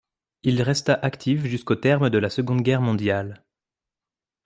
Il resta actif jusqu’au terme de la Seconde Guerre mondiale.